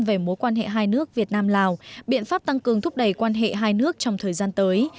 về mối quan hệ hai nước việt nam lào biện pháp tăng cường thúc đẩy quan hệ hai nước trong thời gian tới